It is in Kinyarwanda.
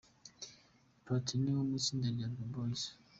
Platini wo mu itsinda rya Dream Boys.